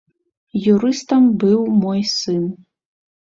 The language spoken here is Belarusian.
Юрыстам быў мой сын.